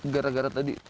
gara gara tadi nomornya